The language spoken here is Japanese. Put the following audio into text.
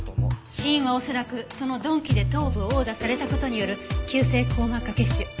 死因は恐らくその鈍器で頭部を殴打された事による急性硬膜下血腫。